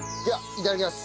いただきまーす！